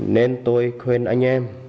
nên tôi khuyên anh em